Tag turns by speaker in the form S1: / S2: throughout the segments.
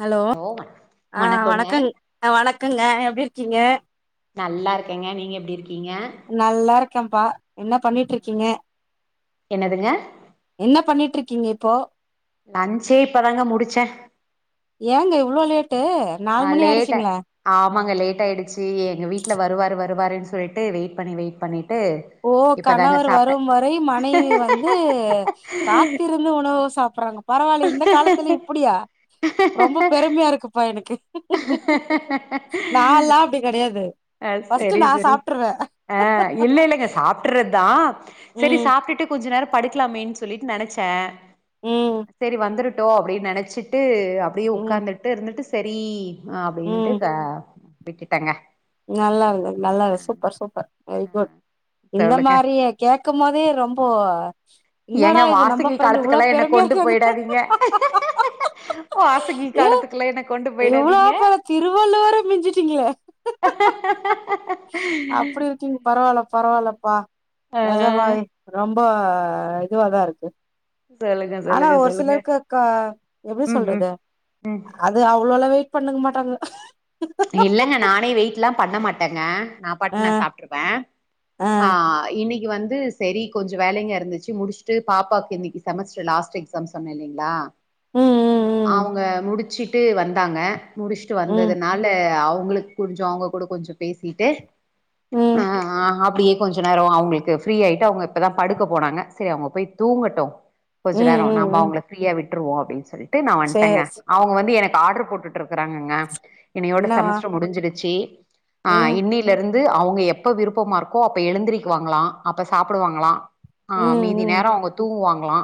S1: Hello ஆ
S2: வணக்கங்க
S1: வணக்கங் வணக்கங்க எப்டிருக்கீங்க
S2: நல்லாருக்கேங்க நீங்க எப்டிருக்கீங்க
S1: க்கேம்ப்பா என்னப் பண்ணிட்ருக்கீங்க
S2: என்னதுங்க
S1: ட்ருக்கீங்க இப்போ
S2: நஞ்சே இப்பதாங்க முடிச்சே
S1: ஏங்க இவ்ளோ லேட்டு நாலு
S2: அ
S1: மணி
S2: லேட்ட
S1: ஆயிடுச்சுங்களே
S2: ஆமாங்க லேட்டாயிடுச்சி எங்க வீட்ல வருவாரு வரு வறேன் சொல்லிட்டு வெயிட் பண்ணி வெயிட் பண்ணிட்
S1: ஓ கணவர் வரும் வரை மனைவி வந்து காத்திருந்து உணவு சாப்பிறாங்க பரவால்லியே இந்த காலத்துல இப்புடியா ரொம்ப பெருமையா இருக்குப்பா எனக்கு நால்லா அப்டி கெடையாது
S2: அ
S1: ஃபர்ஸ்ட்
S2: செரி
S1: நா
S2: செரி
S1: சாப்ட்டுருவே
S2: அ இல்லேல சாப்ட்டர்றதா செரி
S1: ம்
S2: சாப்ட்டுட்டு கொஞ்ச நேரம் படுக்லாமேன் சொல்லிட்டு நெனச்சே
S1: ம்
S2: செரி வந்துருட்டோ அப்டின் நெனச்சிட்டு அப்டியே
S1: ம்
S2: உக்காந்துட்டு இருந்துட்டு செரி அப்டின்ட்டு க விட்டுட்டங்க
S1: நல்லாருந்த நல்லா சூப்பர் சூப்பர் வெரி குட் இந்த
S2: சொல்லுங்க
S1: மாரியே கேக் இக்கும்போதே ரொம்போ
S2: ஏங்க
S1: என்னடா இது நம்ம
S2: வாசகி
S1: ஃபிரெண்டு இவ்ளோ
S2: காலத்துக்கெல்லா என்ன
S1: பெருமையா
S2: கொண்டு
S1: இருக்காங்க
S2: போயிடாதீங்க வாசகி
S1: ஏ
S2: காலத்துக்குல்லா என்ன கொண்டு போயிடாதீங்க
S1: எவ்ளோப்பற திருவள்ளுவர மிஞ்சுட்டீங்ளே
S2: ஹ
S1: அப்டி இருக்கீங்க பரவால பரவால்லப்பா
S2: ஆ
S1: நெஜமாவே ரொம் ரொம்ப இதுவாதா இருக்கு
S2: சொல்லுங்க
S1: ஆனா
S2: சொல்லுங்க
S1: ஒரு
S2: சொல்லுங்க
S1: சிலருக்கு அக்கா எப்டி
S2: ம் ம்
S1: சொல்றது
S2: ம்
S1: அது அவ்ளோல வெயிட் பண்ணுக்க மாட்டாங்க
S2: இல்லங்க நானே வெயிட்லா பண்ண மாட்டேங்க நா
S1: ஆ
S2: பாட்டுனு நா சாப்ருப ஆ இன்னிகு கி வந்து செரி கொஞ்ச வேலைங்க இருந்துச்சு முடிஸ்ட்டு பாப்பாக்கு இன்னைக்கு செமஸ்டர் லாஸ்ட் எக்ஸாம் சொன்னே இல்லிங்ளா
S1: ம் ம்
S2: அவுங்க முடிச்சுட்டு வந்தாங்க முடிஸ்ட்டு வந்தது
S1: ம்
S2: னால அவுங்ளுக்கு கொஞ்ச அவுங்க கூட கொஞ்சம் பேசிட்டு
S1: ம்
S2: அ
S1: ம்
S2: ஆ அப்டியே கொஞ்ச நேரோ அவுங்ள்க்கு ஃப்ரீயாய்ட்டு அவுங்க இப்பதா படுக்க போனாங்க செரி அவுங்க போய் தூங்கட்டு கொஞ்ச நேரோ
S1: ம் ம்
S2: நம்ம
S1: ம்
S2: அவுங்கள ஃப்ரீயா விட்டுருவோ அப்டின் சொல்லிட்டு நா வன்ட்டங்க
S1: சேர்
S2: அவுங்க வந்து எனக்கு ஆர்டர் போட்டுட்ருக்கிறாங்கங்க இனையோட
S1: என்னவா
S2: செமஸ்டர் முடிஞ்சிருச்சி ஆ
S1: ம்
S2: இன்னிலருந் து அவுங்க எப்ப விருப்பமாருக்கோ அப்ப எழுந்திரிக்குவாங்களா அப்ப சாப்புடுவாங்களா ஆ
S1: ம்
S2: மீதி
S1: ம்
S2: நேரோ அவுங்க தூங்குவாங்கலா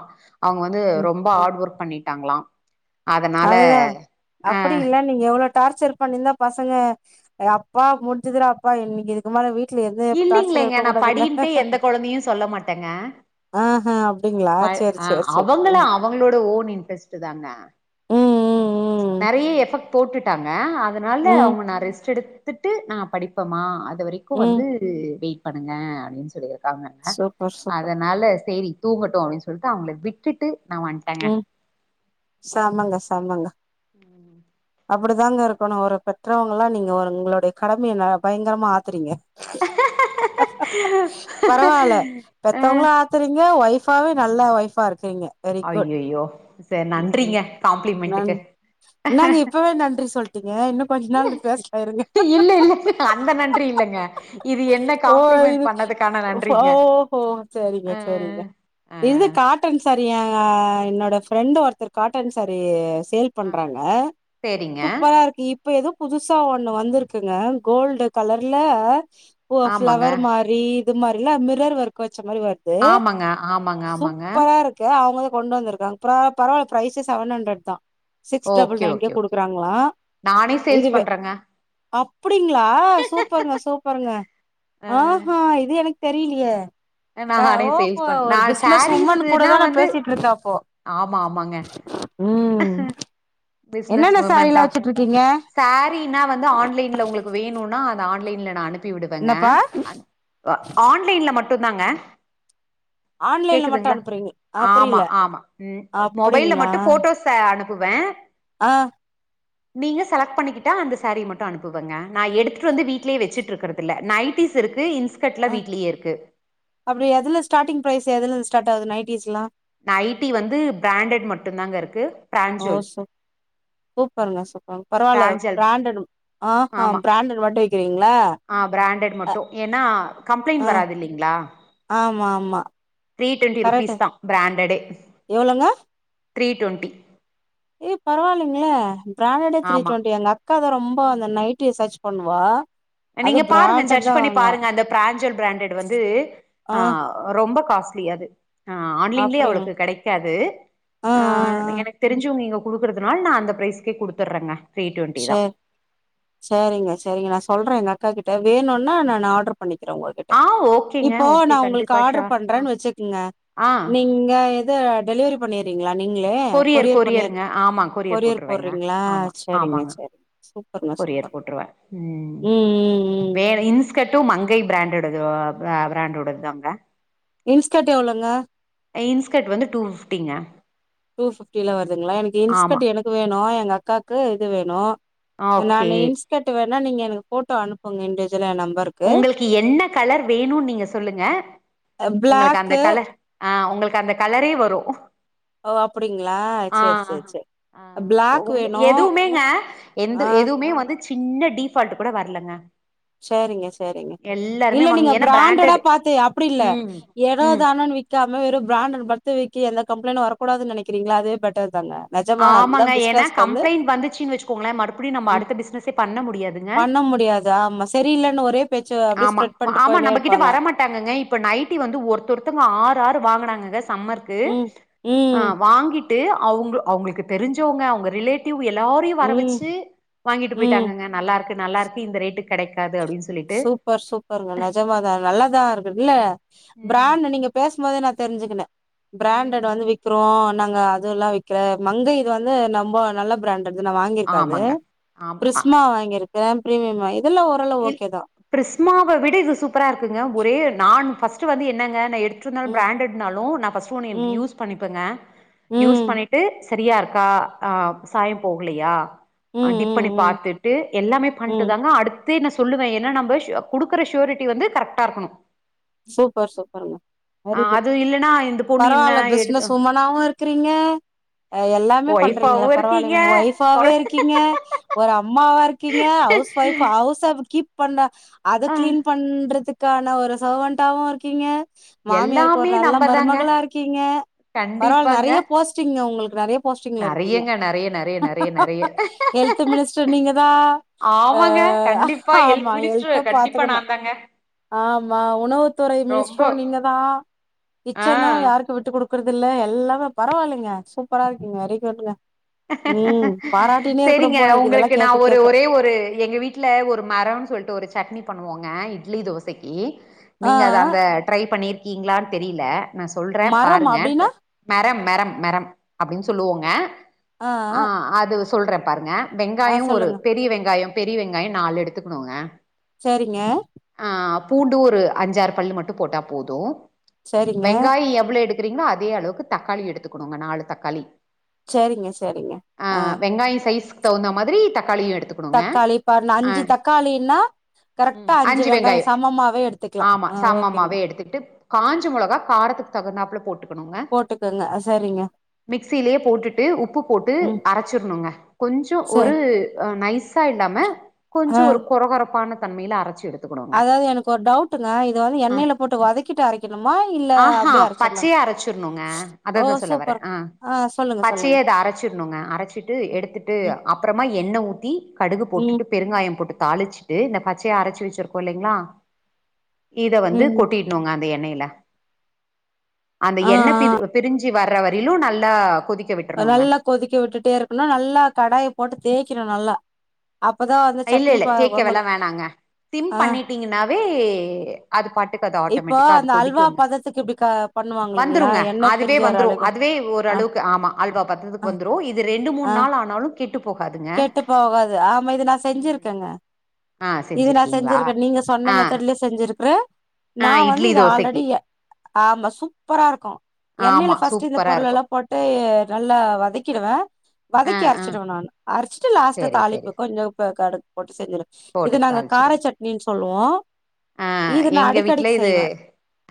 S2: அவுங்க வந்து
S1: ம்
S2: ரொம்ப ஹாட் ஒர்க் பண்ணிட்டாங்ளா
S1: அதுதா அப்டி இல்ல நீங்க எவ்ளோ டார்ச்சர் பண்ணிந்தா பசங்க அப்பா முட்ஞ்சுதுராப்பா இன்னிகு இதுக்கு மேல வீட் ட்ல எது
S2: இல்லைங்களேங்க நா
S1: இருக்கூடாதுல்ல
S2: படின்ட்டு எந்த கொழந்தையு
S1: ஆஹு
S2: பை அ அவங்கள அவங்ளோட ஓன் இன்ட்ரெஸ்ட்டு தாங்க
S1: ம் ம்
S2: நெறைய எஃபெக்ட் போட்டுட்டாங்க அதுனால
S1: ம் ம்
S2: அவுங்க நா ரெஸ்ட் எடுத்துட்டு நா படி ப்பமா அது வரைக்கு
S1: ம்
S2: வந்து வெயிட் பண்ணுங்க அப்டினு சொல்லிரு காங்கங்க
S1: சூப்பர் சூப்பர்
S2: அதுனால சேரி தூங்கட்டு அப்டினு சொல்ட்டு அவங்கள விட்டுட்டு நா வந்ட்டேங்க
S1: ம் சாமாங்க சாமாங்க
S2: ம்
S1: அப்பிடித்தாங்க இருக்கணு ஒரு பெற்றவங்களா நீங்க ஒரு உங்ளோடைய கடமைய ந பயங்கரமா ஆத்தறீங்க பரவால்ல
S2: அ
S1: பெத்தவங்களா ஆத்தறீங்க ஒய்ஃபாவு நல்ல ஒய்ஃபா இருக் கீங்க வெரி குட்
S2: ஐயையோ சரி நன்றிங்க
S1: நன்
S2: காம்ப்ளிமெண்ட்டுக்கு
S1: இன்னாங்க இப் நன்றி சொல்ட்டீங்க இன்னு கொஞ்ச நாளு பேஸ்லா இருங்க
S2: இல்ல இல்ல அந்த நன்றி இல்லங்க இது என்ன
S1: ஓ
S2: காம்ப்ளிமெண்ட்
S1: இது
S2: பண்ணதுக்கான
S1: ஃப்
S2: நன்றிங்க
S1: ஓஹோ சேரிங்க
S2: அ
S1: சேரிங்க
S2: அ
S1: இது காட்டன் சா ரி எ என்னோட ஃப்ரெண்டு ஒருத்தர் காட்டன் சாரி சேல்
S2: அ
S1: பண்றாங்க
S2: சேரிங்க
S1: சூப்பரா இருக்கு இப்ப எதோ புதுசா ஒன்னு வந்திருக்குங்க கோல்டு கலர்ல ஓ
S2: ஆமாங்க
S1: ஃப்ளவர் மாரி இது மாரில்லா மிரர் வொர்க் வெ ச்ச மாரி வர்து
S2: ஆமாங்க ஆமாங்க ஆமாங்க
S1: சூப்பரா இருக்கு அவங்க கொண்ட் வந்திருக்காங்க ப்ரவா பரவால்ல பிரைஸு செவன் அண்ட்ரட் தா சிக்ஸ் டபுள்
S2: ஓகே
S1: நைன்லியு
S2: ஓகே ஓகே ஆ.
S1: குடுக்கறாங்களா
S2: நானே சேல்ஸ்
S1: இதுவே
S2: பண்றேங்க
S1: அ ப்டிங்ளா சூப்பர்ங்க சூப்பர்ங்க
S2: அ
S1: ஆஹு இது எனக் தெரீலியே அ
S2: நானே
S1: ஓஹோ
S2: சேல்ஸ் பண் நா
S1: ஒரு பிஸ்னஸ் உமன்
S2: சாரீஸ்னா
S1: கூடதா நா
S2: வந்து
S1: பேசிட்ருக்கே அப்போ
S2: ஆமா ஆமாங்க
S1: ம்
S2: பிஸ்னஸ்
S1: என்னென்ன
S2: வுமன்
S1: சாரீலா
S2: தா
S1: வச்சுட்டு இருக்கீங்க
S2: சாரீன்னா வந்து ஆன்லைன்ல உங்களுக்கு வேணுனா அத ஆன்லைன்ல நா அனுப்பி விடுவங்க
S1: என்னப்பா
S2: அன் அ ஆன்லைன்ல மட்டுந்தாங்க
S1: ஆன்லைன்ல மட்டு
S2: கேக்குதுங்ளா
S1: அனுப்புறீங்க ஆ
S2: ஆமா
S1: புரியல
S2: ஆமா ம் மொபைல்ல
S1: அப்டிங்களா
S2: மட்டு ஃபோட்டோஸ்ச அனுப்புவே
S1: ஆ
S2: நீங்க செலக்ட் பண்ணிக்கிட்டா அந்த சாரி மட்டு அனுப்புவங்க நா எடுத்துட்டு வந்து வீட்லே வெச்சிட்ருக்கறதில்ல நைட் டீஸ் இருக்கு இன்ஸ்
S1: ஆ அப்டியா எதுல ஸ்டாட்டிங் ப்ரைஸு எதுலந் ஸ்டாட்டாகுது நைட்டீஸ்ல்லா
S2: நைட்டி வந்து பிராண்டட் மட்டுந்தாங்க இருக்கு ப்ரான்ஞ்சோல்
S1: சூப்பர்ங்க சூப்பர்ங் பரவால்ல
S2: பிராஞ்சல்
S1: பிராண்டடு ஆஹா
S2: ஆமா
S1: பிராண்டட் மட்டு விக்கிறீங்
S2: ஆ பிராண்டட் மட்டு ஏன்னா கம்ப்ளைண்ட்
S1: ஆ
S2: வராதில்லீங்ளா
S1: ஆமா ஆமா
S2: த்ரீ டொண்ட்டி
S1: கரெக்ட்
S2: ருப்பீஸ் தா பிராண்டடே
S1: எவ்ளோங்க
S2: த்ரீ டொண்ட்டி
S1: ஏ பரவால்லீங்ளே பிராண்டடே த்ரீ
S2: ஆமா
S1: டொண்ட்டி எங்கக்கா தா ரொம்ப
S2: ம்.
S1: அந்த நைட்டிய சர்ச் பண்ணுவா அது
S2: நீங்க பாருங்க
S1: பிராண்டட்
S2: சர்ச்
S1: தான்
S2: பண்ணி
S1: வாங்குவா
S2: பாருங்க அந்த ப்ராஞ்சோல் பிராண்டட் வந்து ஆ ரொம்ப காஸ்ட்லி அது அ ஆன்லைன்லே
S1: அப்படிங்களா
S2: அவ்ளோக்கு கெடைக்காது
S1: ஆ ஆ
S2: அ
S1: ஆ
S2: எனக் தெரிஞ்சவுங்க இங்க குடுக்கறதுனால் நா அந்த ப்ரைஸ்கே குடுத்தட்றங்க
S1: சேர் சேரிங்க சேரிங்க நா சொல்றே எங்கக்கா கிட்ட வேணுன்னா நானு ஆட்ரு பண்ணிக்கிற உங்ககிட்ட
S2: ஆ ஓகேங்க
S1: இப்போ
S2: ஓகே
S1: நா உங்கள்க்கு
S2: கண்டிப்பா
S1: ஆட்ரு
S2: ஷோர் ஆ
S1: பண்றேனு வெச்சுக்ங்க
S2: ஆ
S1: நீங்க எது டெலிவரி பண்ணீர்றீங்களா நீங்ளே கொரியர் பண்ணி
S2: கொரியருங்க ஆமா
S1: கொரியர்
S2: போட்டுருவேங்க
S1: போட்றீங்ளா
S2: ஆமா
S1: சேரிங்க
S2: ஆமாங்க
S1: சேரி சூப்பர்ங்க சூப்பர் ம் ம் ம்
S2: வேல இன்ஸ்கட்டு மங்கை பிராண்டோடது பிரா பிராண்டோடத் தாங்க
S1: இன்ஸ்கட் எவ்ளோங்க
S2: இன்ஸ்கட் வந்து டூ ஃபிஃப்டிங்க
S1: டூ ஃபிஃப்டில வருதுங்ளா எனக்கு
S2: ஆமா
S1: இன்ஸ்கட்டு எனக்கு வேணு எங்கக்காக்கு இது வேணு
S2: ஓகே
S1: நானு இன்ஸ்கட்டு வேணா நீங்க எனக்கு போட்டோ அனுப்புங்க இண்டூஜுலா எ நம்
S2: உங்களுக்கு என்ன கலர் வேணுன் நீங்க சொல்லுங்க உங்களுக்கு அந்த
S1: பிளாக்கு
S2: கலர் ஆ உங்களுக்கு அந்த கலரே வரு
S1: ஓ அப்பிடிங்ளா செர் செர் செர்
S2: ஆ உ எதுவுமேங்க
S1: ஆ
S2: எந்த எதுவுமே வந்து சின்ன டிஃபால்ட் கூட வரலங்க எல்லாருமே
S1: இல்ல
S2: வாங்கி
S1: நீங்க
S2: ஏன்னா
S1: பிராண்டடா
S2: பிராண்டட்
S1: பாத்து அப்பிடில்ல
S2: ம் ம்
S1: ஏதோதானோனு விக்காத் ம் வெறு பிராண்டட் பாத்து விக்கி எந்த கம்ப்ளைன்ட் வரக்கூடாதுன் நெனைக்கிறீங்ளா அதே பெட்டர் தாங்க நெஜமா அதுதா
S2: ஆமாங்க ஏன்னா
S1: பிசினஸ்க்கு வந்து
S2: கம்ப்ளைண்ட் வந்துச்சுன்னு வச்சுக்கோங்களே மறுபடியு நம்ம அடுத்த பிசினஸே பண்ண முடியாதுங்க
S1: அது ஆமா
S2: ம்
S1: சரியில்லன்னு ஒரே பேச்
S2: ஆமா ஆமா நம்மகிட்ட வர மாட்டாங்கங்க இப்ப நைட்டி வந்து ஒருத்தவொருத்தங்க ஆறு ஆறு வாங்கனாங் ங்க சம்மருக்கு
S1: ம்
S2: அ
S1: ம்
S2: வாங்கிட்டு அவுங்க அவுங்களுக்கு தெரிஞ்சவங்க அவங்க ரிலேட்டிவ் எல்லாரையு வர
S1: ம்
S2: வெச்சு வாங்கிட்டு
S1: ம்
S2: போயிட்டாங்கங்க நல்லாருக்கு நல்லாருக்கு இந்த ரேட்டுக் கெடைக்காது அப்டின்னு சொல்லிட்டு
S1: சூப்பர் சூப்பர்ங்க நஜமாதா நல்லதா இருக்கு இல்ல
S2: ம்
S1: பிராண்ட் நீங்க பேசும் போதே நா தெ தெரிஞ்சுக்கின்ன
S2: ம்
S1: பிராண்டட்
S2: ம்
S1: வந்து விக்கிறோ நாங்க அது எல்லா விக்க மங்கை இது வந்து ரொம்ப நல்ல பிராண்ட் ட்டு நா வாங்கியிருக்கே அது
S2: ஆமாங்க ஆமா
S1: பிரிஸ்மா வாங்கிருக்கே பிரீமியம் இதெல்லா ஓரளவு
S2: இல்
S1: ஓகேதா
S2: பிரிஸ்மாவ விட இது சூப்பரா இருக்குங்க ஒரே நான் ஃபஸ்ட்டு வந்து என்னங்க நா எடுத் ட்ருந்தாலு
S1: ம்
S2: பிராண்டட்னாலு நா ஃபஸ்ட்டோன்னே
S1: ம்
S2: யூஸ் பண்ணிபங்க யூஸ்
S1: ம்
S2: பண்ணிட்டு சரியாக இருக்கா ஆ சாயோ போகலையா
S1: ம்
S2: அ டிப்
S1: ம்
S2: பண்ணி
S1: ம்
S2: பாத்துட்டு எல்லாமே
S1: ம்
S2: பண்ட்டுதாங்க அடுத் து நா சொல்லுவே ஏன்னா நம்ம குடுக்கற ஷூரிட்டி வந்து கரெக்டாருக்கணு
S1: சூப்பர் சூப்பருங்க வெரிகுட்
S2: அது இல்லன்னா இந்த பொண்ணு என்ன
S1: பரவால்ல
S2: எடு
S1: பிசினஸு உம்னாவு இருக்குறீங்க எல்லாம் மே பண்றீங்கள
S2: ஒய்ஃபாவு இருக்கீங்க
S1: பரவால்லைங்களே
S2: கொழ
S1: ஒய்ஃபாவே இருக்கீங்க ஒரு அம்மா இருக்கீங்க ஹவுஸ் ஒய்ஃப் ஹவுஸ் கீப் பண்ணா அத
S2: ஆ
S1: கிளீன் பண்றதுக்கான ஒரு சர்வன்டாவு இருக்கீங்க மாமியாருக்கு
S2: எல்லாமே
S1: ஒரு நல்லா
S2: நம்பதாங்க
S1: மருமகளா இருக்கீங்க பரவால்ல
S2: கண்டிப்பாங்க
S1: நறைய போஸ்டிங் உங்களுக்கு நறைய போஸ்டிங்ல இருக்கீங்க
S2: நெறையங்க நெறைய நெறைய நெறைய நெறைய
S1: எ ஹெல்த் மினிஸ்டர் நீங்க தா அ
S2: ஆமாங்க கண்டிப்பா
S1: ஆமா
S2: ஹெல்த்
S1: எழுத்த
S2: மினிஸ்டர் கண்டிப்பா நா
S1: பாத்துக்கணு
S2: தாங்க
S1: ஆ ம உணவுத்துறை மினிஸ்டரு
S2: ரொம்ப
S1: நீங்க தா கிச்சனு
S2: ஆ
S1: யாருக்கு விட்டு குடுக் குடுக்குறதில்ல எல்லாமே பரவால்லைங்க சூப்பராக இருக்கீங்க வெரிகுட்டுங்க இருக்கணும்
S2: சேரிங்க
S1: போல இருக்கு
S2: உங்களுக்கு
S1: இதெல்லாம்
S2: நா
S1: கேட்க
S2: ஒரு
S1: கேட்க
S2: ஒரே ஒரு எங்க வீட்ல ஒரு மரோ சொல்ட்டு ஒரு சட்னி பண்ணுவோங்க இட்லி தோசைக்கி
S1: ஆ
S2: நீங்க அது
S1: ஆ
S2: அந்த ட்ரை பண்ணிருக்கீங்களான் தெரியல நா சொல்றே
S1: மரம்
S2: பாருங்க
S1: அப்டின்னா
S2: மரம் மரம் மரம் அப்டின்னு சொல்லுவோங்க ஆ அது சொல்றே பாருங்க
S1: ஆ
S2: வெங்காயோ ஒரு
S1: சொல்லுங்க
S2: பெரிய வெங்காயம் பெரிய வெங்காயம் நாலு எடுத்துக்கணுங்க
S1: சேரிங்க
S2: ஆ பூண்டு ஒரு அஞ்சாறு பள்ளு மட்டு போட்டா போது
S1: சரிங்க
S2: வெங்காயோ எவ்ளோ எடுக் கிறிங்களோ அதே அளவுக்கு தக்காளி எடுத்துக்கோணுங்க நாலு தக்காளி
S1: சரிங்க சரிங்க
S2: அ
S1: ஆ
S2: வெங்காயம் சைஸுக்கு தகுந்த மாதிரி தக்காளியு எடுத்துக்கணுங்க
S1: தக்காளி பாரு
S2: ஆ
S1: அஞ்சு தக்காளின்னா
S2: ம்
S1: கரெக்டா அஞ்சு வெங்காயோ
S2: வெங்காயம்
S1: சமமாவே எடுத்துக்கலா
S2: ஆமா
S1: அ ஓகேங்க
S2: சமமாவே எடுத்துக்கிட்டு காஞ்ச மொளகா காரத்துக்கு தகுந்தாப்புல போட்டு கனுங்க
S1: போட்டுக்கங்க சரிங்க
S2: மிக்சியிலேயே போட்டுட்டு உப் உப்பு போட்டு
S1: ம்
S2: அரச்சர்ணுங்க கொஞ்சோ
S1: சரி
S2: ஒரு நைஸா இல்லாம
S1: ஆ
S2: கொஞ்சோ ஒரு கொர கொறப்பான தன்மையில அரைச்சி எடுத்
S1: அதாவது எனக்கு ஒரு டவுட்டுங்க இத வந்து
S2: அ
S1: எண்ணெயில போட்டு வதக்கிட்டு அரைக்கணுமா இல்ல அப்டியே அரைச்சிடலாங்
S2: அரைச்சிருணுங்க அததா சொல்ல வரே அ
S1: ஆ சொல்லுங்க சொல்லுங்க
S2: பச்சையா இத அரைச் ச்சிடனுங்க அரச்சிட்டு எடுத்துட்டு
S1: ம்
S2: அப்புறமா எண்ண ஊத்தி கடுகு
S1: ம்
S2: போட்டுட்டு பெருங்காயம் போட்டு தாளிச்சிட்டு இந்த பச்சயா அரைச்சு வச்சிருக்கோம் இல்லைங்களா இத வந்து
S1: ம்
S2: கொட்டிடனோங்க அந்த எண்ணெயில அந்த
S1: ஆ
S2: எண்ண பிரி
S1: ஆ
S2: பிரிஞ்சு வர்ற வரையிலும் நல்லா கொதிக்க விட்டுருணுங்க
S1: க்க விட்டுட்டே இருக்கணும் நல்லா கடாய போட்டு தேய்க்கணும் நல்லா அப்பதா அந்த
S2: இல்ல
S1: சட்னி
S2: இல்ல
S1: ப ரொம்ப
S2: தேய்க்கவேல்லாம் வேணாங்க திம்
S1: ஆ
S2: பண்ணிட்டீங்கன்னாவே அது பாட் அது
S1: இப்போ
S2: ஆட்டோமேட்டிக்கா அது
S1: அந்த அல்வா
S2: கொதிக்குங்க
S1: பதத்துக்கு இப்டி க பண்ணுவாங்க இல்லைங்களா
S2: வந்துருங்க
S1: எண்ணெ
S2: அதுவே
S1: பிரிஞ்சு வர
S2: வந்துரும்
S1: அழகு
S2: அதுவே ஒரு
S1: ஆ
S2: அளவுக்கு ஆமா அல்வா
S1: ஆ
S2: பதத்துக்கு வந்துரும் இது ரெண்டு மூணு
S1: ஆ
S2: நாள் ஆனாலும்
S1: கெட்டு போகாது ஆமா இது நா
S2: ம்
S1: செஞ்சிருக்கேங்க
S2: ஆ
S1: இது நா
S2: செஞ்சிருக்கீங்களா
S1: செஞ்சிருக்கேன் நீங்க சொன்ன
S2: ஆ
S1: மெத்தட்லயே செஞ்சிருக்குறேன் நா
S2: ஆ
S1: வந்து
S2: இட்லி
S1: இது
S2: தோசைக்கு
S1: ஆல்ரெடி ஆமா சூப்பரா இருக்கும் எண்ணெயில
S2: ஆமா
S1: ஃபர்ஸ்ட் இந்த
S2: சூப்பரா
S1: பொருள்
S2: இருக்கு
S1: எல்லாம் போட்டு நல்லா
S2: ம்
S1: வதக்கிடுவேன்
S2: ஆ
S1: வதக்கி
S2: ஆ
S1: அரைச்சிடுவேன் நானு அரைச்சிட்டு லாஸ்ட்டா
S2: சேரி சேரி
S1: தாளிப்பு கொஞ்சம் கடுகு செஞ்சிடும் இது
S2: போட்டு
S1: நாங்க கார
S2: தாளிச்சிருவீங்க
S1: சட்னின்னு சொல்லுவோம்
S2: ஆ
S1: இது நா
S2: எங்க வீட்ல
S1: அடிக்கடிக்கு
S2: இது
S1: செய்வேன்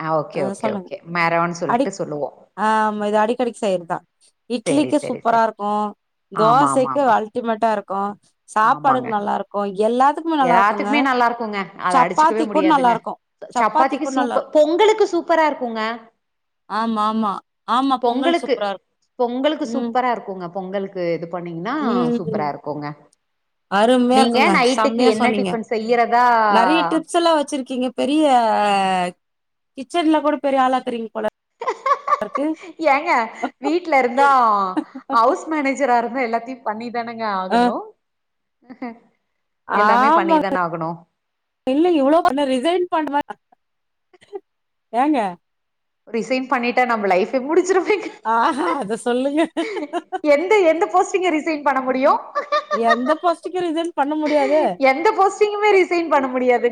S2: ஆ ஓகே
S1: அஹ்
S2: ஓகே
S1: சொல்லுங்க
S2: ஓகே மெரோன்னு
S1: அடி
S2: சொல்லிட்டு சொல்லுவோ
S1: ஆமா இது அடிக்கடிக்கு
S2: ஆ
S1: செய்யுறது தான்
S2: செரி
S1: இட்லிக்கு
S2: செரி
S1: சூப்பரா
S2: செரி
S1: இருக்கும்
S2: ஆமா ஆமா
S1: தோசைக் க்கு
S2: ஆமா
S1: அல்டிமேட்டா இருக்கும்
S2: ஆமாங்க
S1: சாப்பாடுக்கு நல்லா இருக்கும் எல்லாத்துக்கும்
S2: எல்லாத்துக்குமே நல்லா இருக்குங்க அத அடிச்சுக்கவே
S1: கூட நல்லா
S2: முடியாதுங்க
S1: இருக்கு சப்பாத்தி
S2: சப்பாத்திக்கு
S1: கூட நல்லா
S2: சூப்பர்
S1: இருக்கு
S2: பொங்கலுக்கு சூப்பரா இருக்குங்க
S1: ஆமா ஆமா ஆமா
S2: பொங்கலுக்கு
S1: சூப்பரா இருக்கு
S2: பொங்கலுக்கு
S1: ம்
S2: சூப்பரா இருக்குங்க பொங்கலுக்கு இது பண்ணீங்கன்னா சூப்பரா
S1: ம்
S2: இருக்குங்க
S1: அருமையா
S2: நீங்க
S1: இருக்குங்க
S2: நைட்டு
S1: செம்மையா சொன்னீங்க நிறைய ட்ரிப்ஸ் எல்லாம் வச்சிருக்கீங்க பெரிய அஹ் கிச்சன்ல கூட பெரிய ஆளா இருக்குறீங்க
S2: ஹ ஹ ஹ ஏங்க வீட்ல இருந்தா ஹவுஸ் மேனேஜரா இருந்தா எல்லாத்தையும் பண்ணி தானேங்க
S1: அ
S2: ஆகணும்
S1: ஆமாங்க இல்ல இவ்ளோ ரிசைன் பன்ற ஏங்க
S2: ரிசைன் பண்ணிட்டா நம்ம லைஃபே முடிஞ்சிரும்
S1: ஆஹா! அத சொல்லுங்க.
S2: எந்த எந்த போஸ்ட்டிங்க ரிசைன் பண்ண முடியும்
S1: எந்த போஸ்டிக்க ரிசைன் பண்ண முடியாதே!
S2: எந்த போஸ்ட்டிங்குமே ரிசைன் பண்ண முடியாது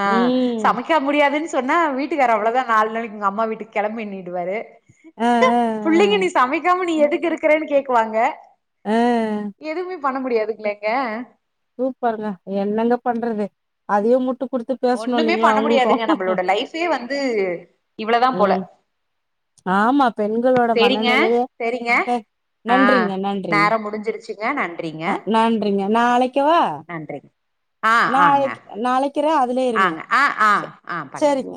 S2: ஆஹ்
S1: ம்.
S2: சமைக்க முடியாது சொன்னா வீட்டுக்காரு அவ்ளோதான் நாலு நாளைக்கு உங்க அம்மா வீட்டுக்கு கிளம்பு எண்ணிடுவாரு
S1: அ, அ,
S2: பிள்ளைங்க நீ சமைக்காம நீ எதுக்கு இருக்கிறன்னு கேக்குவாங்க
S1: ஆஹ்
S2: எதுவுமே பண்ண முடியாது இல்லங்க
S1: சூப்பருங்க என்னங்க பண்றது அதையும் முட்டும் குடுத்து
S2: ஒண்ணுமே
S1: பேசணும்ல்லைங்களா
S2: பண்ண
S1: அவுங்களுக்கும்
S2: முடியாதுங்க நம்மளோட லைஃபே வந்து இவ்ளோதா போல
S1: உம் ஆமா பெண்களோட
S2: சேரிங்க
S1: மனநிலையே
S2: சேரிங்க ஆ
S1: நன்றிங்க நன்றிங்க
S2: நேரம் முடிஞ்சிருச்சுங்க நன்றிங்க
S1: ஆஹ் நன்றிங்க நா வைக்க வா
S2: நன்றிங்க ஆ ஆங்க
S1: நாளைக்கு நாளைக்குறேன் அதுலயே இருங்க
S2: ஆங்க ஆ ஆ
S1: சேரி
S2: ஆ பண்ணுங்க
S1: சேரிங்க